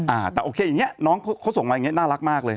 อ่าแต่โอเคอย่างนี้น้องเขาส่งมาอย่างเงี้น่ารักมากเลย